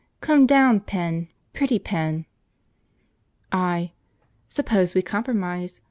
Come down, Pen! Pretty Pen!" I. "Suppose we compromise.